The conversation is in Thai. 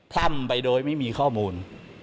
พร่ำไปโดยไม่มีข้อมูล